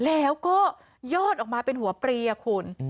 แล้วก็ยอดออกมาเป็นหัวปรีคุณ